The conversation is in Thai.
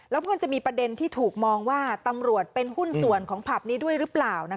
แล้วมันจะมีประเด็นที่ถูกมองว่าตำรวจเป็นหุ้นส่วนของผับนี้ด้วยหรือเปล่า